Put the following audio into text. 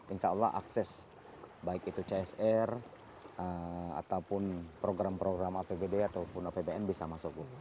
insya allah akses baik itu csr ataupun program program apbd ataupun apbn bisa masuk bu